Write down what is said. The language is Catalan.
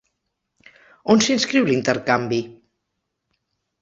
On s'inscriu l'intercanvi?